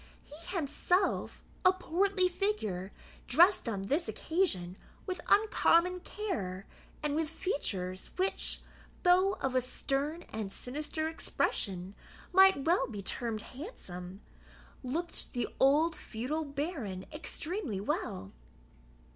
He himself, a portly figure, dressed on this occasion with uncommon care, and with features, which, though of a stern and sinister expression, might well be termed handsome, looked the old feudal baron extremely well.